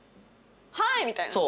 「はい！」みたいな？